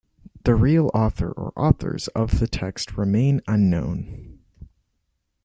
The real author or authors of the text remain unknown.